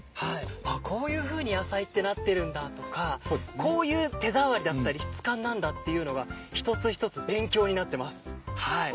あっこういうふうに野菜ってなってるんだとかこういう手触りだったり質感なんだっていうのが一つ一つ勉強になってます。